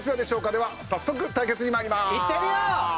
では早速対決に参りまーす。